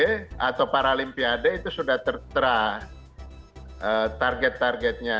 atau paralimpiade itu sudah tertera target targetnya